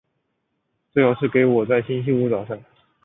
最好是给我在星期五早上